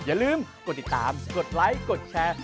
อย่าลืมกดติดตามกดไลค์กดแชร์